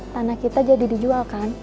tanah kita jadi dijual kan